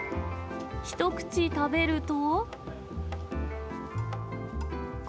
一口食べると。